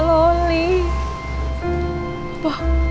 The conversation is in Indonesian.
harapan dia sudah pergi